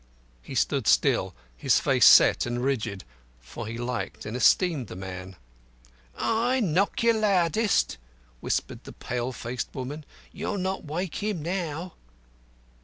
He stood still, his face set and rigid, for he liked and esteemed the man. "Ay, knock your loudest," whispered the pale faced woman. "You'll not wake him now."